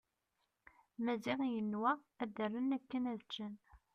Maziɣ yenwa ad rren akken ad ččen.